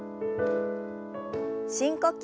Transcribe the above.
深呼吸。